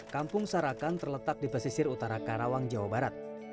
kampung sarakan terletak di pesisir utara karawang jawa barat